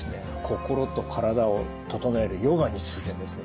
心と体を整えるヨガについてです。